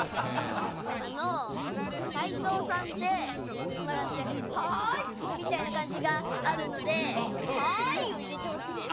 あの斉藤さんってこんな感じで「ハイ！」みたいな感じがあるので「ハイ！」を入れてほしいです。